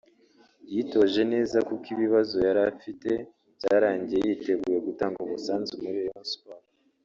yitoje neza kuko ibibazo yari afite byarangiye yiteguye gutanga umusanzu muri Rayon Sports